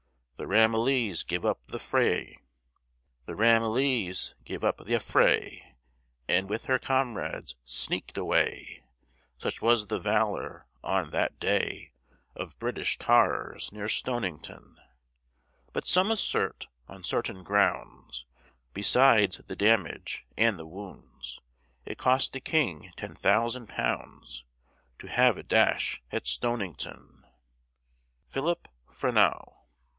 The Ramillies gave up th' affray, And, with her comrades, sneak'd away, Such was the valor, on that day, Of British tars near Stonington. But some assert, on certain grounds (Besides the damage and the wounds), It cost the king ten thousand pounds To have a dash at Stonington. PHILIP FRENEAU.